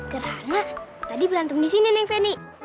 karena tadi berantem di sini neng feni